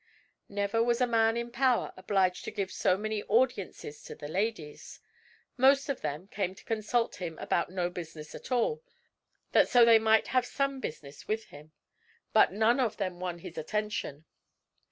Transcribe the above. Never was a man in power obliged to give so many audiences to the ladies. Most of them came to consult him about no business at all, that so they might have some business with him. But none of them won his attention.